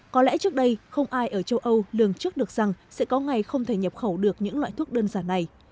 có lẽ trước đây không ai ở châu âu lường trước được rằng sẽ có ngày không thể nhập khẩu được những loại thuốc đơn giản này